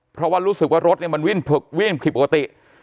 เพราะว่ารู้สึกว่ารถมันวิ่นปกติ